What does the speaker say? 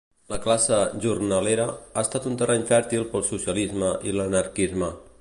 La classe "jornalera" ha estat un terreny fèrtil pel socialisme i l'anarquisme.